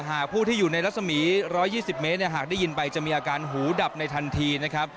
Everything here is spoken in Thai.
หากผู้ที่อยู่ในรัศมีร์ร้อยยี่สิบเมตรเนี่ยหากได้ยินไปจะมีอาการหูดับในทันทีนะครับ